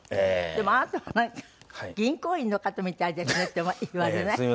でもあなたはなんか銀行員の方みたいですねって言われない？